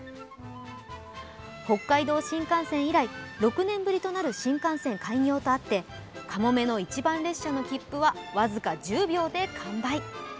北海道新幹線以来、６年ぶりとなる新幹線開業とあってかもめの一番列車の切符は僅か１０秒で完売。